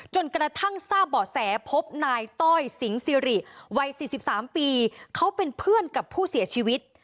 จนกระทั่งทราบเบาะแสพบนายต้อยสิงสิริวัย๔๓ปีเขาเป็นเพื่อนกับผู้เสียชีวิต